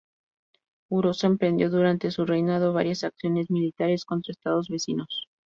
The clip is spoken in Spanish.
Uroš emprendió durante su reinado varias acciones militares contra estados vecinos.